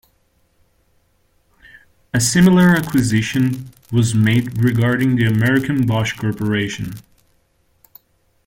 A similar acquisition was made regarding the American Bosch Corporation.